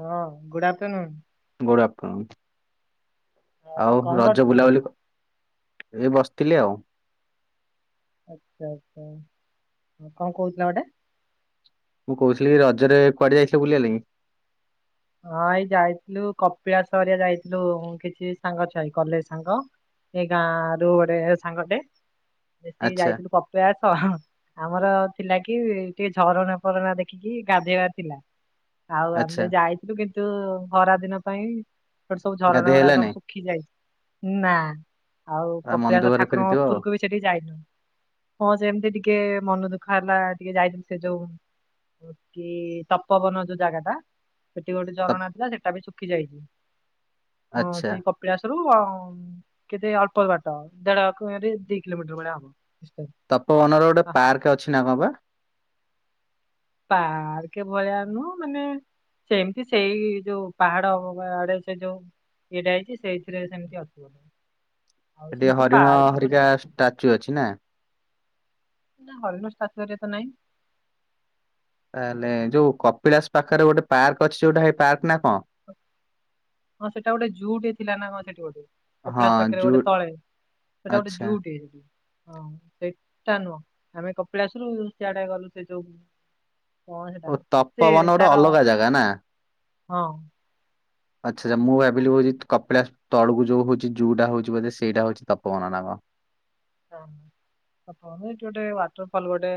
ହଁ good afternoon. Good afternoon. ଆଉ କଣ କରୁଛ? ରଜ ବୁଲାବୁଲି ଏ ବସିଥିଲି ଆଉ। ଆଚ୍ଛା ଆଚ୍ଛା କଣ କହୁଥିଲା ଗୋଟେ? ମୁଁ କହୁଥିଲି ରଜରେ କୁଆଡେ ଯାଇଥିଲ ବୁଲିବାଲାଗି? ହଁ ଏଇ ଯାଇଥିଲୁ କପିଳାସ ହରିଆ ଯାଇଥିଲୁ କିଛି ସାଙ୍ଗ ଛଆ ଏଇ କଲେଜ ସାଙ୍ଗ। ଏଇ ଗାଁ ରୁ ଗୋଟେ ସାଙ୍ଗଟେ ମିଶିକି ଆଚ୍ଛା ଯାଇଥିଲୁ କପିଳାସ। ଆମର ଥିଲା କି ଟିକେ ଝରଣା ଫରଣା ଦେଖିକି ଗାଧେଇବାର ଥିଲା। ଆଉ ଆଚ୍ଛା ଆମେ ଯାଇଥିଲୁ କିନ୍ତୁ ଖରା ଦିନ ପାଇଁ ଗଟେ ସବୁ ଝରଣା ଗାଧେଇ ଗରା ହେଲାନି ସବୁ ଖି ଯାଇଚି ନା ଆଉ ଆ ମନ କପିଳାସ ଦୁଃଖରେ ଠାକୁରଙ୍କ ଫେରିଥିବ ଆଉ। ଉପରକୁ ବି ସେଠି ଯାଇନୁ। ହଁ ସେମିତି ଟିକେ ମନ ଦୁଃଖ ହେଲା ଟିକେ ଯାଇନୁ ସେ ଯୋଉ କେ ତପୋବନ ଯୋଉ ଜାଗା ଟା ସେଠି ଗୋଟେ ତପ- ଝରଣା ଥିଲା ସେଟା ବି ଶୁଖି ଯାଇଛି। ହଁ ଆଚ୍ଛା ସେଇ କପିଳାସ ରୁ ଆଉ କେତେ ଅଳ୍ପ ବାଟ ଦେଢ କି ଦିଇ କିଲୋମିଟର ଭଳିଆ ଆଉ। ତପୋବନ ର ଗୋଟେ ପାର୍କ ଅଛି ନା କଣ ବା? ପାର୍କ ଭଳିଆ ନୁଅ ମାନେ ସେ ଏମିତି ସେଇ ଯୋଉ ପାହାଡ ଆଡେ ସେ ଯୋଉ ଏଇଟା ହେଇଛି ସେଇଥିରେ ସେମିତି ଆଉ। ହେଠି ସେମିତି ହରିଣ ପାର୍କ ଭଳିଆ ହରିକା ତ- ଷ୍ଟାଚୁ ଅଛି ନା? ନା ହରିଣ ଷ୍ଟାଚୁ ହେରିକା ତ ନାଇଁ। ତାହେଲେ ଯୋଉ କପିଳାସ ପାଖରେ ଗୋଟେ ପାର୍କ ଅଛି ଯୋଉଟା ସେ ପାର୍କ ନାଁ କଣ? ହଁ ସେଇଟା ଗୋଟେ ଜୁଉ ଟେ ଥିଲା ନା କ ସେଠି ଗୋଟେ ହଁ କପିଳାଶ ପାଖରେ ଜୁ ଗୋଟେ ତଳେ। ସେଇଟା ଗୋଟେ ଆଚ୍ଛା ଜୁଉ ଟେ। ହଁ ସେଇଟା ନୁହଁ ଆମେ କପିଳାସରୁୁ ସିଆଡେ ଗଲୁ ସେ ଯୋଉ କଣ ସେଟା ଓ ସେ ତପବନ ଗୋଟେ ତାର ଅଲଗା ଜାଗା ନା? ହଁ। ଆଚ୍ଛା ଆଛା ମୁଁ ହଁ ଭାବିଲି ହଉଛି କପିଳାସ ତଳକୁ ଯୋଉ ହଉଛି ଜୁ ଟା ହଉଛି ବୋଧେ ସେଇଟା ହଉଛି ତପବନ ନା କଣ। ହଁ। ଆପଣ ଏଇଠି ଗୋଟେ ୱାଟର ଫଲ ଗୋଟେ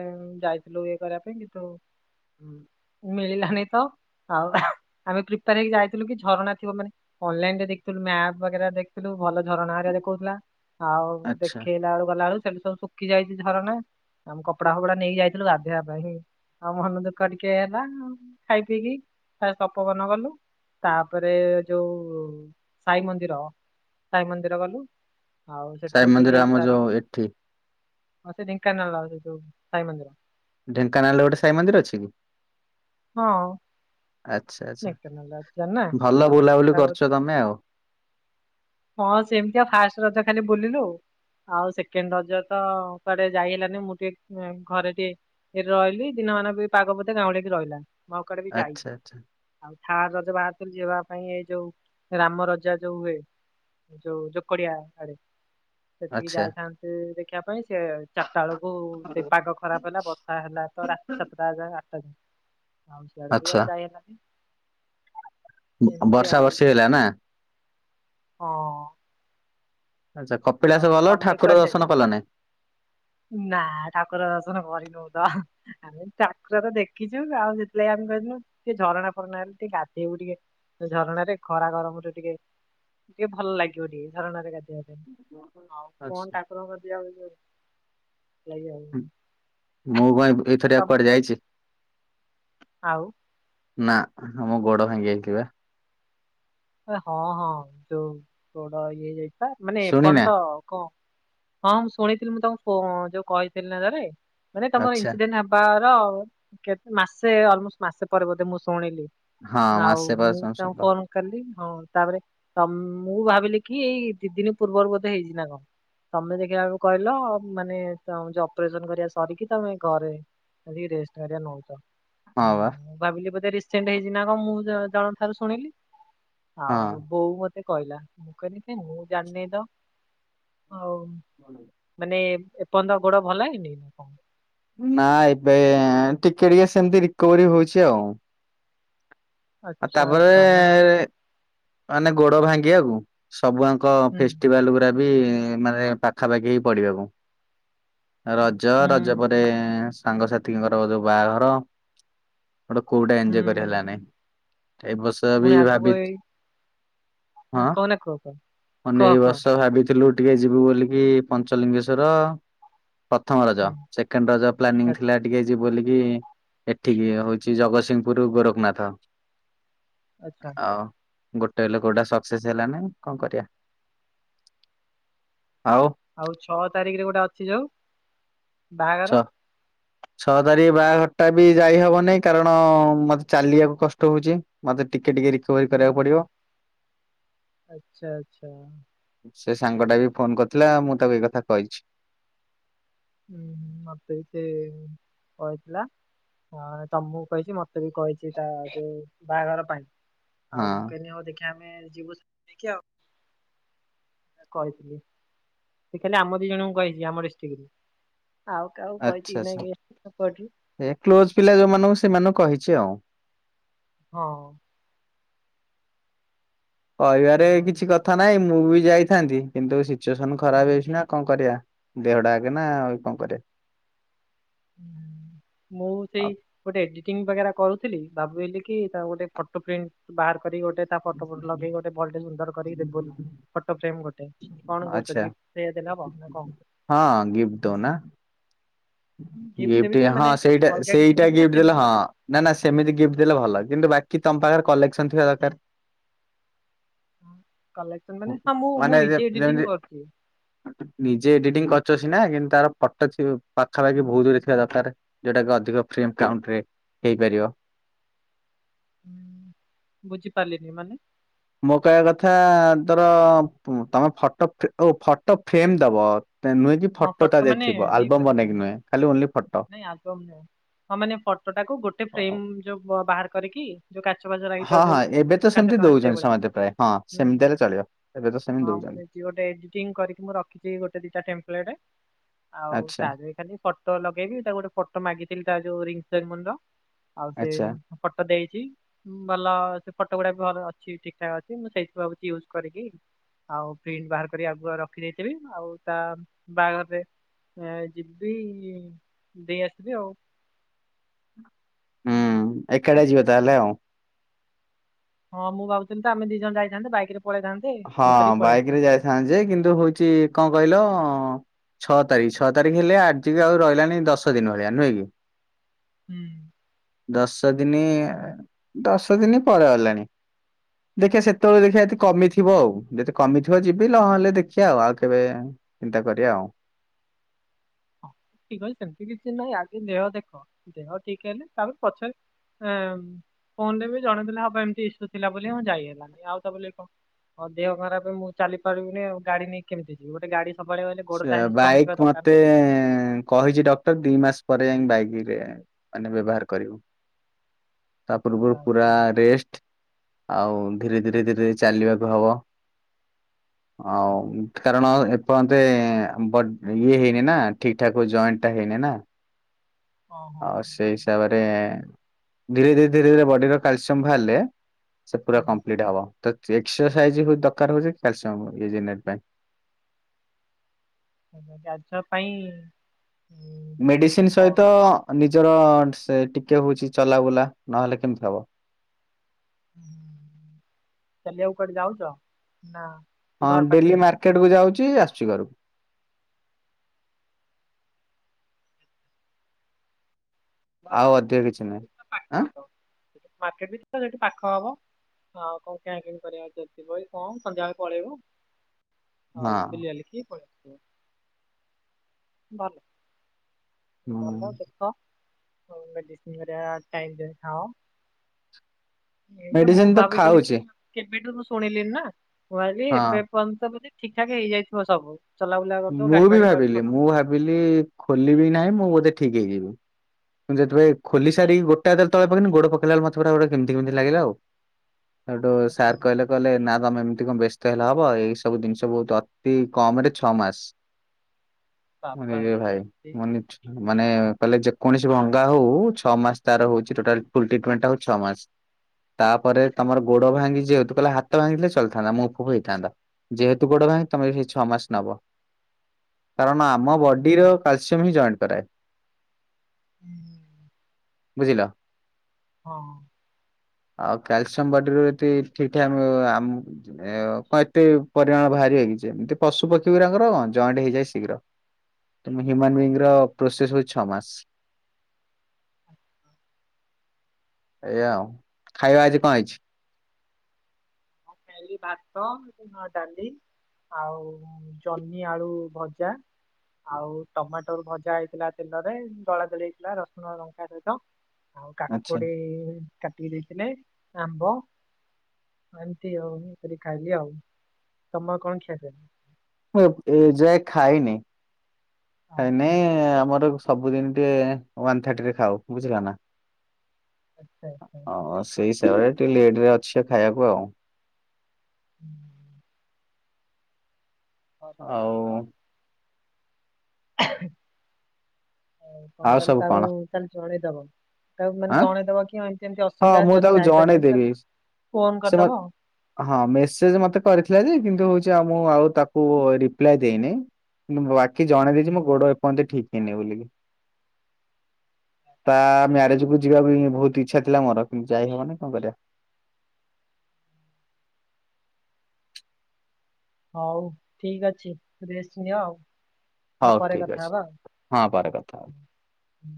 ଯାଇଥିଲୁ ଇଏ କରିବା ପାଇଁ କିନ୍ତୁ। ମିଳିଲାନି ତ ଆଉ ଆମେ ପ୍ରିପାର ହେଇକି ଯାଇଥିଲୁ କି ଝରଣା ଥିବ ମାନେ ଅନଲାଇନରେ ଦେଖୁଥିଲୁ ମ୍ୟାପ ବଗେରା ଦେଖିଥିଲୁ ଭଲ ଝରଣା ହେରିକା ଦେଖଉଥିଲା ଆଉ ଆଚ୍ଛା ପିଲା ବଳୁ ଗଲା ବଳୁ ସେଠୁ ସବୁ ଶୁଖି ଯାଇଛି ଝରଣା ଆମ କପଡା ଫପଡା ନେଇ ଯାଇଥିଲୁ ଗାଧେଇବା ପାଇଁ ହିଁ। ଆଉ ମନ ଦୁଃଖ ଟିକେ ହେଲା ଖାଇ ପିଇକି ତପବନ ଗଲୁ। ତାପରେ ଯୋଉ ସାଇ ମନ୍ଦିର ସାଇ ମନ୍ଦିର ଗଲୁ। ଆଉ ସାଇ ସେଠୁ ବୁଲି ମନ୍ଦିର ଯାଇ ଆମ ଯୋଉ ସାରିକି ଏଠି ଆଉ ସେ ଢେଙ୍କାନଳ ସେଠୁ ସାଇ ମନ୍ଦିର। ଢେଙ୍କାନାଳ ରେ ଗୋଟେ ସାଇ ମନ୍ଦିର ଅଛି? ହଁ ଆଛା ଆଛା ଢେଙ୍କାନାଳ ଅଛି ଜାଣିନା ଭଲ ବୁଲାବୁଲି କରୁଛ ତମେ ଆଉ। ହଁ ସେମିତି ଆଉ ଫାଷ୍ଟ ରଜ ଖାଲି ବୁଲିଲୁ। ଆଉ ସେକେଣ୍ଡ ରଜ ତ କୁଆଡେ ଯାଇ ହେଲାନି ମୁଁ ଟିକେ ଘରେ ଟିକେ ଏଠ ରହିଲି ଦିନମାନ ବି ପାଗ ବୋଧେ ଗାଁଉଳେଇକି ରହିଲା ମୁଁ ଆଉ କଆଡେ ବି ଯାଇ ଆଚ୍ଛା ଆଚ୍ଛା ଥାର୍ଡ ରଜ ବାହାରିଥିଲୁ ଯିବା ପାଇଁ ଏଇ ଯୋଉ ରାମ ରଜା ଯୋଉ ହୁଏ। ଯୋଉ ଯୋକଡିଆ ଆଡେ ସେଠିକି ଆଚ୍ଛା। ଯାଇଥାନ୍ତୁ ଦେଖିବା ପାଇଁ ସେ ତ ବେଳକୁ ସେଇ ପାଗ ଖରାପ ହେଲା ବର୍ଷା ହେଲା ତ ରାତି ସାତଟା ଯାଏ ଆଠଟା ଯାଏ। ଆଉ ସିଆଡେ ବି ଆଚ୍ଛା ଆଉ ଯାଇହେଲାନି। ବର୍ଷା ବର୍ଷି ହେଲା ନା। ହଁ। ଆଚ୍ଛା କପିଳାସ ଆଉ ଗଲ ତମେ କୁଆଡେ ଠାକୁର ଯାଇଥିଲ? ଦର୍ଶନ କଲ ନାଇଁ। ନା ଠାକୁର ଦର୍ଶନ କରିନୁ ତ। ଆମେ ଠାକୁର ତ ଦେଖିଚୁ ଆଉ ସେଥିଲାଗି ଆମେ କହିଥିଲୁ ଟିକେ ଝରଣା ଫରଣା ହେଲେ ଟିକେ ଗାଧେଇବୁ ଟିକେ ତ ଝରଣାରେ ଖରା ଗରମରେ ଟିକେ ଟିକେ ଭଲ ଲାଗିବ ଟିକେ ଝରଣାରେ ଗାଧେଇବା [unintelligible] [unintelligible] ଆଚ୍ଛା [unintelligible] ମୁଁ କଣ ତ [unintelligible] କୁଆଡେ ଯାଇଛି। ଆଉ। ନା [unintelligible] ଗୋଡୋ ଭାଙ୍ଗି ଯାଇଛି ପା। [unintelligible] ହଁ ହଁ ଯୋଉ ଗୋଡ ଇଏ ହେଇଯାଇଚି ପା ମାନେ ଶୁଣିନା ଏପର୍ଯ୍ୟନ୍ତ କଁ ହଁ ମୁଁ ଶୁଣଣିଥିଲି ମୁଁ ତମକୁ ଫୋ ଯୋଉ କହିଥିଲି ନା ଥରେ ମାନେ ତମର ଆଚ୍ଛା ଇନ୍ସିଡେଣ୍ଟ [unintelligible] ବାର କେ ମାସେ ଅଲମୋଷ୍ଟ ମାସେ ପରେ ବୋଧେ ମୁଁ ଶୁଣିଲି। ହଁ ଆଉ ମାସେ ପରେ ମୁଁ ଶୁଣି [unintelligible] ଶୁଣିଲ। ଫୋନ୍ କଲି। ହଁ ତାପରେ ତ ମୁଁ ଭାବିଲି କି ଏଇ ଦି ଦିନି ପୂର୍ବରୁ ବୋଧେ ହେଇଚି ନା କଣ। ତମେ ଦେଖିଲା ଆଳୁକୁ କହିଲ ମାନେ ତମ ଯୋଉ ଅପ୍ରେଶନ୍ କରିବା ସରିକି ତମେ ଘରେ ଆସିକି ରେଷ୍ଟ୍ ହାରିକା ନଉଚ। ହଁ [unintelligible] ବା ମୁଁ ଭାବିଲି ବୋଧେ ରିସେଣ୍ଟ ହେଇଚି ନା କଁ ମୁଁ ଜ ଜଣଙ୍କ ଠାରୁ ଶୁଣିଲି। ଆଉ ହଁ। ବୋଉ ମତେ କହିଲା ମୁଁ କହିଲି କାଇଁ ମୁଁ [unintelligible] ତ ଆଉ [unintelligible] ମାନେ ଏପନ୍ତ ଗୋଡ଼ ଭଲ ହେଇନି। ନା ଏବେ ଟିକେ ଟିକେ ସେମିତି ରିକୋଭରୀ ହୋଉଛି ଆଉ। ଆଉ ଆଚ୍ଛା ତାପରେ ଆଚ୍ଛା ମାନେ ମାନେ ଗୋଡ ଭାଙ୍ଗିବାକୁ ସବୁଆଙ୍କ ହୁଁ ଫେଷ୍ଟିବାଲ୍ ଗୁରା ବି ମାନେ ପାଖାପାଖି ହେଇ ପଡିବାକୁ ର ଜ ହୁଁ ରଜ ପରେ ସାଙ୍ଗସାଥୀଙ୍କର ଯୋଉ ବାହାଘର। ଗୋଟେ କୋଉଡା ଏଞ୍ଜୟ କରି ହୁଁ ହେଲା ନାଇଁ। ଏ ବଷ ବି ପୁଣି ଆଗକୁ ଭାବି ଏଇ ହଁ। [unintelligible] ନେ କୁହ ଏଇ କୁହ ବଷ ଭାବିଥିଲୁ ଟିକେ ଯିବୁ ବୋଲିକି ପଞ୍ଚଲିଙ୍ଗେଶ୍ଵର। ପଥମ ରଜ ହୁଁ ସେଖେଣ୍ଡ ରଜ ପ୍ଲାନିଙ୍ଗି ଆଚ୍ଛା। ଥିଲା ଟିକେ ଯିବୁ ବୋଲିକି ଏଠିକି ହୋଉଛି ଜଗତସିଂହପୁର ଗୋରୋଖନାଥ। ଆଚ୍ଛା ଆଉ ଗୋଟେ ହେଲେ କୋଉଟା ସକ୍ସେସ ହେଲା ନାହିଁ କଁ କରିବା। ଆଉ ଆଉ ଛଅ ତାରିକରେ ଗୋଟେ ଅଛି ଯୋଉ ବାହାଘର [unintelligible] ଛଅ ତାରିଖୀ ବାହାଘର ଟା ବି ଯାଇ ହବନେଇଁ କାରଣ ମତେ ଚାଲିବାକୁ କଷ୍ଟ ହୋଉଚି। ମତେ ଟିକେ ଟିକେ ରିକୋଭରି ହୁଁ, କରିବାକୁ ହୁଁ। ପଡିବ। ଆଚ୍ଛା ଆଚ୍ଛା। [unintelligible] ଥିଲା ମୁଁ ତାକୁ ଏଇ କଥା କହିଛି। ହୁଁ ହୁଁ ମତେ ବି ସେ କହିଥିଲା। ଅଁ ତମୁକୁ କହିଚି ମତେ ବି କହିଚି ତା ଯୋଉ ବାହାଘର ପାଇଁ ହଁ। ଆଉ ମୁଁ କହିନି ହଉ ଦେଖି [unintelligible] ଆମେ ଯିବୁି [unintelligible] ଆଉ। କହିଥିଲି ସିଏ ଖାଲି ଆମ ଦି ଜଣଙ୍କୁ କହିଚି ଆମ ଡିଷ୍ଟିକ୍ ରୁ। ଆଉ କାହାକୁ କହିଚି ଆଚ୍ଛା କି ଆଚ୍ଛା ନାଇଁ [unintelligible] ତାଙ୍କ ଏଠି। ଏ କ୍ଲୋଜ ପିଲା ଯୋଉମାନଙ୍କୁ ସେମାନଙ୍କୁ କହିଛି ଆଉ। ହଁ। କହିବାରେ କିଛି ଆଉ କଥା ନାଇଁ ମୁଁ ବି ଯାଇଥାନ୍ତି କିନ୍ତୁ ସିଚୂଏଶନ ଖରାପ ହେଇଛିିନା କଁ କରିବା। ଦେହ ଟା ଆଗେ ନା ଆଉ କଣ କରିବା। ମୁଁ ସେଇ ଆଉ ଗୋଟେ ଏଡିଟିଂଙ୍ଗି ବାଗେରା କରୁଥିଲି ଭାବିହେଲିକି ତାର ଗୋଟେ ଫଟୋ ପ୍ରିଣ୍ଟ ବାହାର କରିକି ଗୋଟେ ତା ଫଟ ଫଟ ଲଗେଇକି ଗୋଟେ ଭଲଟେ ସୁନ୍ଦର କରିକି ଦେବି ବୋଲି। ଫଟୋ ଫ୍ରେମ ଗୋଟେ କଣ କହୁଛ ଆଚ୍ଛା ଗିଫ୍ଟି ସେଇଆ ଦେଲେ ହବ ନା କଣ? ହଁ ଗିଫ୍ଟି ଦଉନା। ଗିଫ୍ଟ ଦେବି ଗିଫ୍ଟି ଯେ ହଁ ମାନେ ସେଇଟା ଅଲଗା କିଛି ସେଇଟା ଦେବି ନା ଗିଫ୍ଟି ଦେଲେ ସେମିତି ହଁ ଗୋଟେ ନା ନା ସେମିତି ଗିଫ୍ଟ ଦେଲେ ଭଲ କିନ୍ତୁ ବାକି ତମ ପାଖରେ କଲେକ୍ସନ୍ ଥିବା ଦରକାର। କଲେକ୍ସନ ମାନେ ହଁ ମୁଁ ମୁଁ ଯେ ନିଜେ ଯେମିତି ଏଡିଟିଂଙ୍ଗି କରୁଚି। ନିଜେ ଏଡିଟିଂଙ୍ଗି କରୁଚ ସିନା କିନ୍ତୁ ତାର ଫଟ ଥିବ ପାଖାପାଖି ବହୁତ ଦୂରେ ଥିବା ଦରକାର ଯୋଉଟା କି ଅଧିକ ଫ୍ରେମ କାଉଣ୍ଟରେ ହେଇପାରିବ। ଉଁ, ବୁଝିପାରିଲିନି ମାନେ? ମୋ କହିବା କଥା ତର ତମେ ଫଟୋ ଫେ ଓ ଫଟୋ ଫ୍ରେମ ଦବ ତେ ନୁହେଁ କି ହଁ ଫଟୋ ତା ଦେହରେ ମାନେ ଥିବ ଇଏ ଆଲବମ୍ କରିବା ପାଇଁ ବନେଇକି ନୁହେଁ ଖାଲି ଓନ୍ଲି ଫଟୋ। ନାଇଁ ଆଲବମ ନୁହେଁ। ହଁ ମାନେ ଫଟୋ ଟାକୁ ଗୋଟେ ଅ- ଫ୍ରେମ ଯୋଉ ବାହାର କରିକି ଯୋଉ କାଚ ବାଚ ହଁ ହଁ ଏବେ ତ ସେମିତି ଦଉଛନ୍ତି ସମସ୍ତେ ପ୍ରାୟ ହଁ ହୁଁ ସେମିତି ହେଲେ ଚଳିବ ଏବେ ତ ସେମିତି ହଁ ମୁଁ ଦଉଛନ୍ତି। ନେଇଛି ଗୋଟେ ଏଡିଟିଂଙ୍ଗି କରିକି ମୁଁ ରଖିଥିବି ଗୋଟେ ଦିଟା ଟେମ୍ପଲେରେ ଆଉ ଆଚ୍ଛା ତା ଦିହରେ ଖାଲି ଫ ଫଟ ଲଗେଇବି ତାକୁ ଗୋଟେ ଫଟୋ ମାଗିଥିଲି ତା ଯୋଉ ରିଙ୍ଗ୍ ସେରିମନିର ଆଉ ସେ ଆଚ୍ଛା ଫଟ ଦେଇଚି। ହୁଁ ଭଲ ସେ ଫଟ ଗୁଡାକ ଭଲ ଅଛି ଠିକ ଠାକ୍ ଅଛି ମୁଁ ସେଇଥିରୁ ଭାବୁଚି ୟୁଜ୍ କରିକି ଆଉ ପ୍ରିଣ୍ଟ ବାହାର କରିକି ଆଗୁଆ ରଖି ଦେଇଥିବି ଆଉ ତା ବାହାଘରରେ ଏ ଯିବି ଦେଇ ଆସିବି ଆଉ। ହୁଁ ଏକାଟିଆ ଯିବା ତାହେଲେ ଆଉ। ହଁ ମୁଁ ଭାବଥିଲି ତ ଆମେ ଦି ଜଣ ଯାଇଥାନ୍ତେ ବାଇକରେ ପଳେଇଥାନ୍ ହଁ ବାଇକ ରେ ଯାଇଥାନ୍ତେ ଯେ କିନ୍ତୁ ହୋଉଚି କଣ କହିଲ? ଛଅ ତାରିଖ ଛଅ ତାରିଖ ହେଲେ ଆଜିିକି ଆଉ ରହିଲାଣି ଦଶ ଦିନ ଭଳିଆ ନୁହେଁ କି? ହୁଁ। ଦଶ ଦିନି ଦଶ ଦିନି ପରେ ହେଲାଣି। ଦେଖିଆ ସେତବେଳେ ଦେଖିଆ ଯଦି କମିଥି ଥିବ ଆଉ ଯଦି କମିଥିବ ଯିବି ନହହେଲେ ଦେଖିଆ ଆଉ କେବେ ଚିନ୍ତା କରିବା ଆଉ। ହଁ ଠିକ ଅଛି ସେମିତି କିଛି ନାହିଁ ଆଗେ ଦେହ ଦେଖ ଦେହ ଠିକ ହେଲେ ତାପରେ ପଛରେ ଏଁ ଫୋନ ରେ ବି ଜଣେଇ ଦେଲେ ହବ ଏମିତି ଇସୁ ଥିଲା ବୋଲି ମୁଁ ଯାଇ ହେଲାନି ଆଉ ତା ବୋଲି କଣ ମୋ ଦେହ ଖରାପେ ମୁଁ ଚାଲି ପାରିବିନି ଆଉ ଗାଡି ନେଇ କେମିତି ଯିବି ଗୋଟେ ଗାଡି ସବୁବେଳେ ଗଲେ ଗୋଡ ସେ ଟା ଷ୍ଟ୍ରଙ୍ଗ ଥିବା ବାଇକ୍ ଦରକାର ମତେ ନା। କହିଛି ଡ ଗତ ଦି ମାସ ପରେ ଯାଇକି ବାଇକିରେ ମାନେ ବ୍ୟବହାର କରିବୁ। ତା ପୂର୍ବରୁ ପୁରା ଆଚ୍ଛା ଆଚ୍ଛା ରେଷ୍ଟ ଆଉ ଧୀରେ ଧୀରେ ଧୀରେ ଚାଲିବାକୁ ହବ। ଆଉ କାରଣ ଏପନ ତେ ବଡ ଇଏ ହେଇନି ନା ଠିକ ଠାକ ଜଏଣ୍ଟ ଟା ହେଇନି ନା। ଓହୋ ଆଉ ସେଇ ହିସାବରେ ଧୀରେ ଧୀରେ ଧୀରେ ଧୀରେ ବଡିର କାଲସିୟମ ବାହାରିଲେ ସେ ପୁରା କମ୍ପ୍ଲିଟ ହବ ତ ଚେକକ୍ସସାଇଜ ଦରକାର ହଉଛି କାଲ୍ସିୟମ ଇଜିନେଟ ପାଇଁ। ଆଛା କାଲସିୟମ ପାଇଁ ଉଁ, ମେଡିସିନ କଣ ସହିତ ନିଜର ଠିସେ ଟିକେ ହଉଛି ଚଲାବୁଲା ନହେଲେ କେମିତି ହବ? ଚାଲିବାକୁ କୁଆଡେ ଯାଉଛ ନା ଏ ହଁ ଘର ପାଖରେ ଡେଲି ମାର୍କେଟ କୁ ଯାଉଛି ଆସୁଛି ଘରକୁ। ଭଲ ଆଉ ଅଧିକ କିଛି ନାହିଁ। ଆଁ ପାଖନତ ମାର୍କେଟବି ତ ସେଠି ପାଖ ହବ। ହଁ କଣ କଣା କିଣି କରିବାକୁ ଯଦି ଥିବ କି କଁ ସନ୍ଧ୍ୟାବେଳେ ପଳେଇବୁ। ହଉ ହଁ ବିଲିଆଲିକି ପଳେଇ ଆସିବ ଭଲ। ହୁଁ ଭଲ ଦେଖ ଟିଫିନ୍ ହେଗିରା ଟାଇମରେ ଖାଅ। ଏଇ ତ ମୁଁ ମେଡିସିନ ଭାବିଥିଲି ଖାଉଛି କି କେବେଠୁ ତ ଶୁଣିଲିଣି ନା, ମୁଁ ଭାବିଲି ହଁ। ଏବେ [unintelligible] ଠିକ ଠାକ ହେଇଯାଇଥିବ ସବୁ। ଚଲାବୁଲା କରୁଥିବ ମୁଁ ଗାଡି ବି ଫାଡି କୁଆଡେ ଭାବିଲି ମୁଁ ଭାବିଲି ଖୋଲିବି ନାହିଁ, ମୁଁ ବୋଧେ ଠିକ ହେଇଯିବି। ଯେତେବେଳେ ଖୋଲି ସାରିକି ଗୋଡଟା ଯେତେବଳେ ତଳେ ପକେଇଲି, ଗୋଡ ପକେଇଲା ବେଳକୁ ମତେ ପୁରା ଗୋଟେ କେମତି କେମତି ଲାଗିଲା ଆଉ। [unintelligible] ସୋଉଠୁ ସାର୍ ଚଲଉଥିବ କହିଲେ କହିଲେ ନା ତମେ ଏମିତି କଁ ବ୍ୟସ୍ତ ହେଲେ ହବ ଏଇ ସବୁ ଜିନିଷ ବହୁତ ଅତି କମରେ ଛଅ ମାସ ବାବାରେ ଏଇ [unintelligible] ମାନେ କହିଲେ ଯେକୌଣସି ଭଙ୍ଗା ହଉ ଛଅ ମାସ ତାର ହଉଚି ଟୋଟାଲ ଫୁଲ ଟ୍ରିଟମେଣ୍ଟ ହଉଚି ଛଅ ମାସ। ତାପରେ ତମର ଗୋଡ ଭାଙ୍ଗିଛି ଯେହେତୁ [unintelligible] ହାତ ଭାଙ୍ଗିଥିଲେ ଚଳିଥାନ୍ତା ମୁଭ୍ ଫୁବ ହେଇଥାନ୍ତା। ଯେହେତୁ ଗୋଡ ଭାଙ୍ଗିଛି ତମେ ସେଇ ଛଅ ମାସ ନବ, କାରଣ ଆମ ଓହୋ ବଡିର କ୍ୟାଲସିୟମ ହିଁ ଜଏଣ୍ଟ କରାଏ। ହୁଁ। ବୁଝିଲ? ହଁ। ଆଉ କ୍ୟାଲସିୟମ ବଡିରୁ ଏତେ ଠିକ ଠାକ ଆମ ଆମ ଏ ଏତେ ପରିମାଣ ଭାରିବ କି ଯେମତି ପଶୁ ପକ୍ଷୀ ଗୁରାଙ୍କର କଁ ଜଏଣ୍ଟ ହେଇଯାଏ ଶୀଘ୍ର, ତମେ ହଁ ହ୍ୟୁମାନ ବିଙ୍ଗର ମୁଁ ପ୍ରୋସେସ ହଉଛି ଛଅ ମାସ। ଏଇଆ ଆଉ, ଖାଇବା ଆଜି କଁ ହେଇଛି? ମୁଁ ଖାଇଲି ଭାତ, ଡାଲି ଆଉ ଜହ୍ନି ଆଳୁ ଭଜା। ଆଉ ଟମାଟର ଭଜା ହେଇଥିଲା ତେଲରେ ଦଳାଦଳି ହେଇଥିଲା ରସୁଣ ଲଙ୍କା ସହିତ। ଆଉ ଆଚ୍ଛା କାକୁଡ଼ି କାଟିକି ଦେଇଥିଲେ ଆମ୍ବ [unintelligible] ଏମତି ଆଉ ମୁଁ ସେଠି ଖାଇଲି ଆଉ, ତମର କଣ ଖିଆ ପିଆ? ମୁଁ ଏ-ଏଯାଏ ଖାଇନି, ଆଉ ଖାଇନି ଆମର ସବୁଦିନ ଟିକେ ୱାନ ଥାର୍ଟି ରେ ଖାଉ ବୁଝିଲ ନା? ଆଚ୍ଛା ଆଚ୍ଛା ହଉ ସେଇ ହିସାବରେ ଟିକେ ଲେଟରେ ଅଛି ଖାଇବାକୁ ଆଉ। ହୁଁ। ଭଲ ଆଉ ଭଲ ଆଉ ତମେ ଆଉ କାଲି ସବୁ ତାକୁ କଣ ତାହେଲେ ଜଣେଇଦବ। ତାକୁ ମାନେ ଆଁ ଜଣେଇଦବ କି ଏମିତି ଏମିତି ହଁ ଅସୁବିଧା ମୁଁ ତାକୁ ଯଦି ଯାଇପାରିବନି ଜଣେଇଦେବି। ତାକୁ ଫୋନ ସେ ମ କରିଦବ ଆଉ। ହଁ ମେସେଜ ମତେ କରିଥିଲା ଯେ, କିନ୍ତୁ ହଉଚି ଆଉ ମୁଁ ଆଉ ତାକୁ ରିପ୍ଲାଏ ଦେଇନେଇ। [unintelligible] ବାକି ଜଣେଇ ଦେଇଛି ହୁଁ, ମୋ ଗୋଡ ଏପର୍ଯ୍ୟନ୍ତ ଠିକ ହେଇନି ବୋଲି, ତା ମ୍ୟାରେଜକୁ ମୁଁ ଯିବା ପାଇଁ ବହୁତ ଇଚ୍ଛାଥିଲା ମୋର କିନ୍ତୁ ଯାଇହବନି କଁ କରିବା। ହଉ ଠିକ ଅଛି ରେଷ୍ଟ ନିଅ ଆଉ। ନିଅ ହଉ ପରେ ଠିକ କଥା ଅଛି, ହବା ହଁ ପରେ କଥା ହବା। ଆଉ